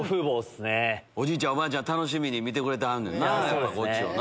おじいちゃん、おばあちゃん、楽しみに見てくれてはんねな、ゴチをな。